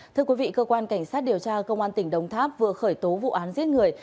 thưa quý vị cơ quan cảnh sát điều tra công an tỉnh đồng tháp vừa khởi tố vụ án giết người